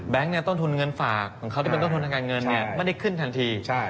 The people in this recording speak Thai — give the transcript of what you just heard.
ต้นทุนเงินฝากของเขาที่เป็นต้นทุนทางการเงินไม่ได้ขึ้นทันที